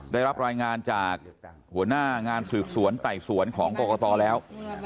ได้รับรายงานจากหัวหน้างานสืบสวนไต่สวนของกรกตแล้ว